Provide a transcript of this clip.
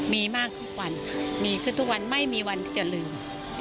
มีมากทุกวันมีขึ้นทุกวันไม่มีวันที่จะลืม